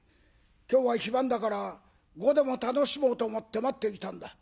今日は非番だから碁でも楽しもうと思って待っていたんだ」。